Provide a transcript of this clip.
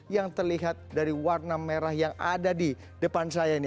yang terlihat dari warna merah yang ada di depan saya ini